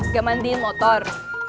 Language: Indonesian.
gak mandiin motor